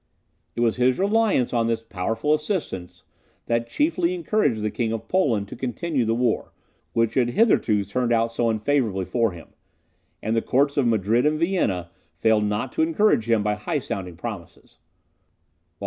It was his reliance on this powerful assistance that chiefly encouraged the King of Poland to continue the war, which had hitherto turned out so unfavourably for him, and the courts of Madrid and Vienna failed not to encourage him by high sounding promises.